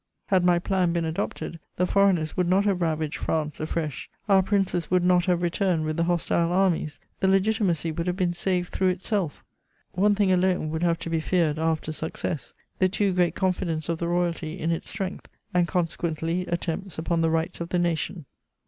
Had my plan been adopted, the foreigners would not have ravaged France afresh; our Princes would not have returned with the hostile armies; the Legitimacy would have been saved through itself. One thing alone would have to be feared after success: the too great confidence of the Royalty in its strength, and, consequently, attempts upon the rights of the nation.